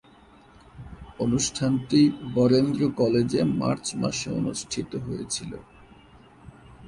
অনুষ্ঠানটি বরেন্দ্র কলেজে মার্চ মাসে অনুষ্ঠিত হয়েছিলো।